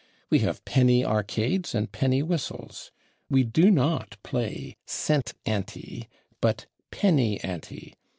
We have /penny arcades/ and /penny whistles/. We do not play /cent/ ante, but /penny/ ante.